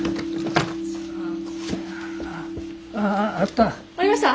あああった。